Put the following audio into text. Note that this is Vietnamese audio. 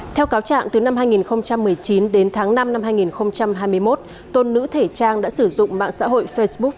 theo cáo trạng từ năm hai nghìn một mươi chín đến tháng năm năm hai nghìn hai mươi một tôn nữ thể trang đã sử dụng mạng xã hội facebook